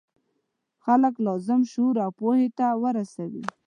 خلک لازم شعور او پوهې ته ورسوي.